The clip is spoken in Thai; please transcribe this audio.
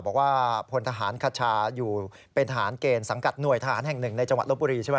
บอกว่าพลทหารคชาอยู่เป็นทหารเกณฑ์สังกัดหน่วยทหารแห่งหนึ่งในจังหวัดลบบุรีใช่ไหม